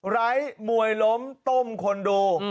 ไร้มวยล้มต้มคนดู